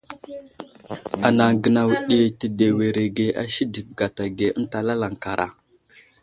Anaŋ gənaw ɗi tədewerege a sədek gata ge ənta lalaŋkara.